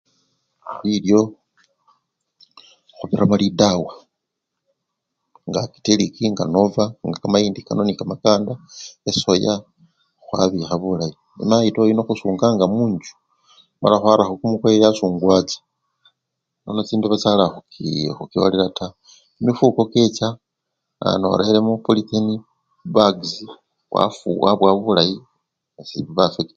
Bilyo, khuchukhamo lidawa, ngakiteliki nga nova, nga kamayindi kano oba kamakanda, esoya, khwabikha bulayi, nono mayito yuno khusunganga munchu mala khwarakho kumukoye mala byasungwacha nono chimbeba chala khubi! khucholela taa, kimifuko kyecha aa! nolelemo politheni bakisi wafu! wabowa bulayi, sebiba affekitedi taa.